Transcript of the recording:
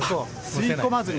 吸い込まずに。